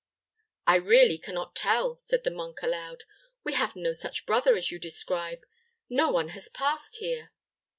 "I really can not tell," said the monk, aloud. "We have no such brother as you describe; no one has passed here."